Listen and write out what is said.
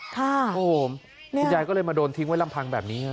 คุณยายก็เลยมาโดนทิ้งไว้ลำพังแบบนี้ฮะ